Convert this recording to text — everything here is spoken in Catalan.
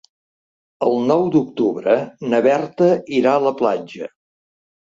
El nou d'octubre na Berta irà a la platja.